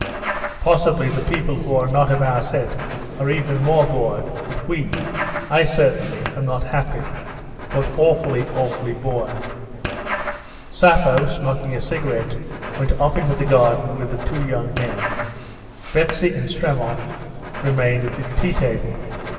"Possibly the people who are not of our set are even more bored; but we—I certainly—are not happy, but awfully, awfully bored." Sappho smoking a cigarette went off into the garden with the two young men. Betsy and Stremov remained at the tea table.